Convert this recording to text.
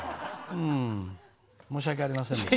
うん申し訳ありませんでした。